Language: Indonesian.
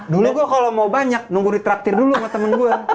dulu gue kalau mau banyak nunggu retraktir dulu sama temen gue